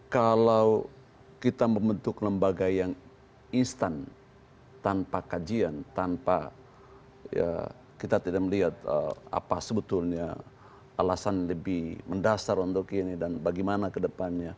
kalau kita membentuk lembaga yang instan tanpa kajian tanpa kita tidak melihat apa sebetulnya alasan lebih mendasar untuk ini dan bagaimana kedepannya